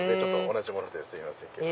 同じものですいませんけど。